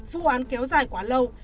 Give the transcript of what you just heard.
vụ án kéo dài quá lâu